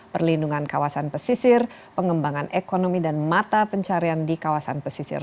perlindungan kawasan pesisir pengembangan ekonomi dan mata pencarian di kawasan pesisir